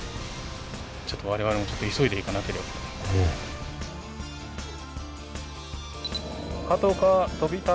ちょっと我々も急いで行かなければ。